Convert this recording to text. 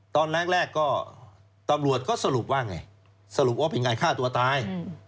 ตอนแรกก็ตำรวจก็สรุปว่าไงสรุปว่าเป็นการฆ่าตัวตาย